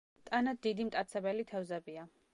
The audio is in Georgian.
ტანად დიდი მტაცებელი თევზებია.